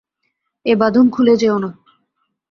এ বাঁধন খুলে যেওনা।